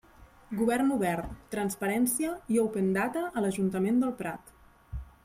Govern obert, transparència i open data a l'Ajuntament del Prat.